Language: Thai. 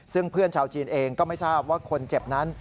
ซึ่งเพื่อนชาวจีนเองก็ไม่ทราบว่าคนเจ็บนั้น